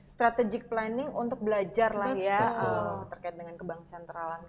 strategic planning untuk belajar lah ya terkait dengan kebang sentralan